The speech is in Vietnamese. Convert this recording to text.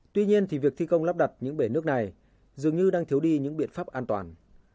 tuy nhiên thì việc thi công lắp đặt những bể nước này dường như đang thiếu đi những biện pháp an toàn